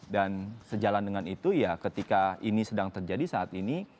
sejalan dengan itu ya ketika ini sedang terjadi saat ini